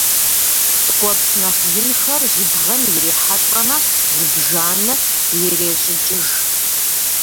Ткӏуэпс нэхъ инхэр жьыбгъэм ирихьэлӏэмэ, зыбжанэ ирещӏыкӏыж.